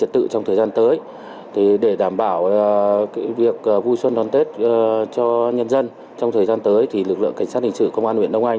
từ ngày một mươi năm tháng một mươi một đến nay